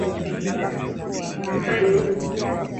Mfupi ka nyundo